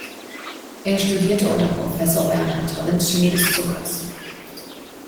Er studierte unter Professor Bernhard Tollens Chemie des Zuckers.